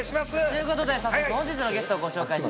ということで早速本日のゲストをご紹介しましょう。